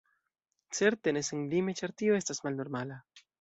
Certe ne senlime, ĉar tio estas malnormala.